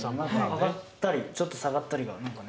上がったりちょっと下がったりが何かね